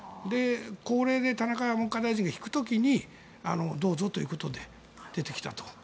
高齢で田中文科大臣が引く時にどうぞということで出てきたと。